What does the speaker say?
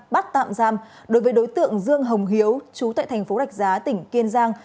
bắt tạm giam đối với đối tượng dương hồng hiếu chú tại thành phố đạch giá tỉnh kiên giang